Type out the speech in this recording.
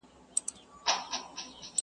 يو نغمه ګره نقاسي کومه ښه کوومه.